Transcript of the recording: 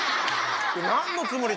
何のつもり？